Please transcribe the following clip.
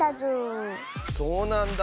そうなんだ。